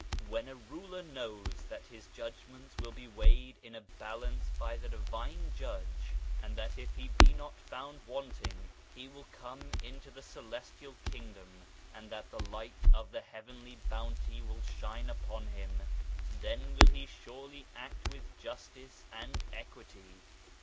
When a Ruler knows that his judgments will be weighed in a balance by the Divine Judge, and that if he be not found wanting he will come into the Celestial Kingdom and that the Light of the Heavenly Bounty will shine upon him, then will he surely act with Justice and Equity.